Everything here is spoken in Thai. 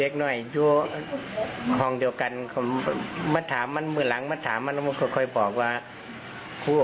ก็บอกว่าขอโทษแล้วไม่คิดว่ากัน